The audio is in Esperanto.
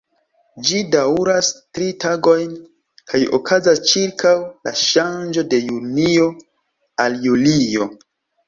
Ĝi daŭras tri tagojn kaj okazas ĉirkaŭ la ŝanĝo de junio al julio.